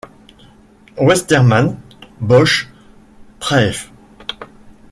Westermann; Bockh, Praef.